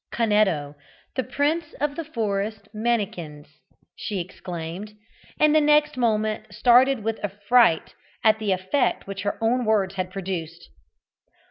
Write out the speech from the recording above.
"Canetto, the Prince of the Forest Mannikins," she exclaimed, and the next moment started with affright at the effect which her own words had produced.